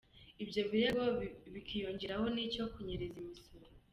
Ibyo birego bikiyongeraho n’icyo kunyereza imisoro.